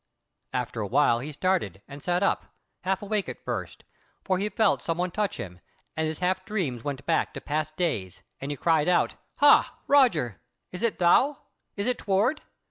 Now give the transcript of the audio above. After a while he started and sat up, half awake at first; for he felt some one touch him; and his halfdreams went back to past days, and he cried out: "Hah Roger! is it thou? What is toward?"